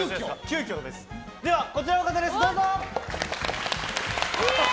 こちらの方です、どうぞ！